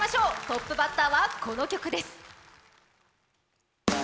トップバッターはこの曲です。